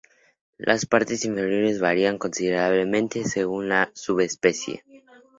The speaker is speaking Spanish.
Las partes inferiores varían considerablemente, según la subespecie.